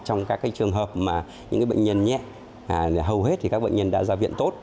trong các trường hợp mà những bệnh nhân nhẹ hầu hết các bệnh nhân đã ra viện tốt